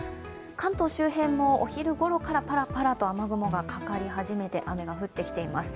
関東周辺もお昼ごろから雨雲がかかり始めて、パラパラと雨が降ってきています。